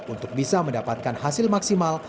untuk bisa mendapatkan hasil maksimal